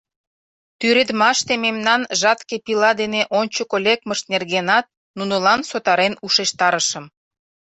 Тӱредмаште мемнан жатке пила дене ончыко лекмышт нергенат нунылан сотарен ушештарышым.